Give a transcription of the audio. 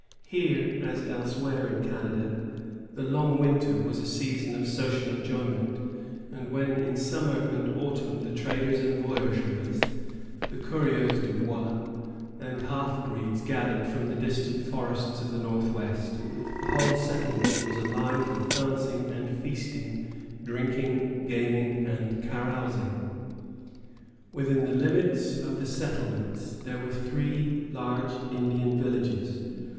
Here, as elsewhere in Canada, the long winter was a season of social enjoyment; and when, in summer and autumn, the traders and voyageurs, the coureurs de bois, and half breeds, gathered from the distant forests of the north west, the whole settlement was alive with dancing and feasting, drinking, gaming, and carousing. [Illustration: FORT AND SETTLEMENTS OF DETROIT, A. D. 1763.] Within the limits of the settlement were three large Indian villages.